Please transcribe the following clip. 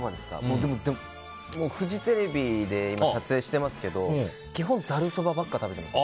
フジテレビで今、撮影してますけど基本ざるそばばっかり食べてます。